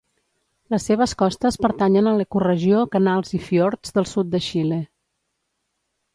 Les seves costes pertanyen a l'ecoregió canals i fiords del sud de Xile.